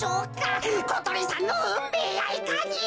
ことりさんのうんめいやいかに！？